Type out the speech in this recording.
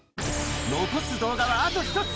残す動画はあと１つ。